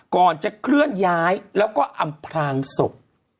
ก่อนจะเคลื่อนย้ายแล้วก็อำพลางศพ